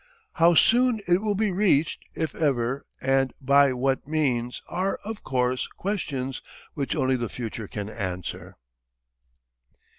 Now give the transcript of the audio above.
How soon it will be reached, if ever, and by what means, are, of course, questions which only the future can answer.